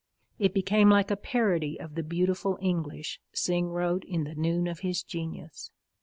It became like a parody of the beautiful English Synge wrote in the noon of his genius.